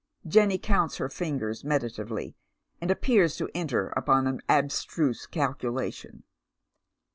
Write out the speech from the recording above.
" Jenny counts her fingers meditatively, and appears to entet upon an abstruse calculation.